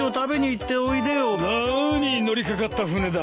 なーに乗り掛かった船だ。